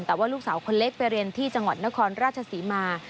แต่ว่าลูกสาวคนเล็กเป็นเลงาในจังหวะนครราชศรีมา